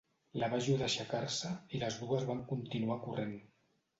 La va ajudar a aixecar-se i les dues van continuar corrent.